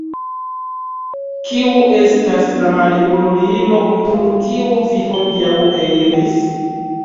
Kiu estas la maljunulino, kun kiu vi hodiaŭ eliris?